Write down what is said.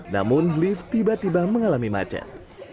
namun lift tiba tiba mengalami macet